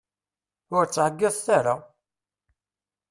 Ur ttɛeggiḍet ara!